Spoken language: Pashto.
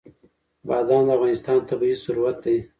بادام د افغانستان طبعي ثروت دی.